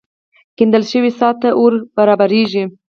کېندل شوې څاه ته ور برابرېږي.